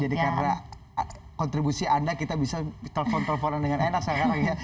jadi karena kontribusi anda kita bisa telpon telponan dengan enak sekarang ya